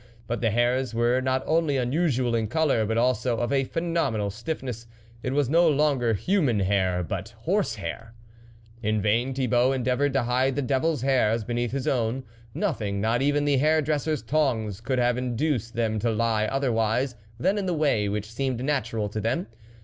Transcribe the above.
But the hairs were not only unusual in colour, but also of a phenomenal stiffness it was no longer human hair, but horse hair. In vain Thi bault endeavoured to hide the devil's hairs beneath his own, nothing, not even the hair dresser's tongs could have induced them to lie otherwise than in the way which seemed natural to them.